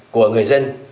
của người dân